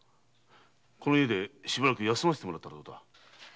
この家で休ませてもらったらどうだ？